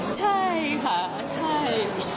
ใช่ค่ะใช่